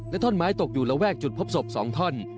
ท่อนไม้ตกอยู่ระแวกจุดพบศพ๒ท่อน